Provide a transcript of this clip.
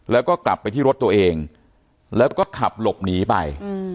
แล้วก็กลับไปที่รถตัวเองแล้วก็ขับหลบหนีไป